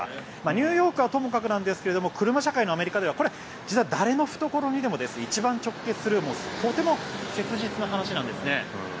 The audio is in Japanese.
ニューヨークはともかくですが車社会のアメリカではこれは実は誰の懐にも一番直結するとても切実な話なんですね。